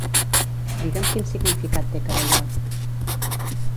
Digue'm quin significat té carallot.